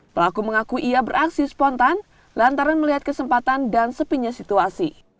pelaku mengaku ia beraksi spontan lantaran melihat kesempatan dan sepinya situasi